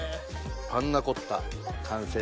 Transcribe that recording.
パンナコッタ完成です。